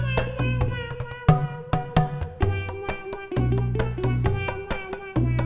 kalau kamu kenapa